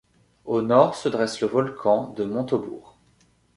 Au nord se dresse le volcan de Montaubourg.